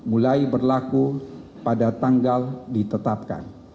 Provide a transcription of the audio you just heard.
mulai berlaku pada tanggal ditetapkan